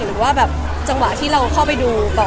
หรือว่าแบบจังหวะที่เราเข้าไปดู